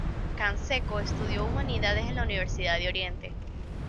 Canseco estudió humanidades en la Universidad de Oriente.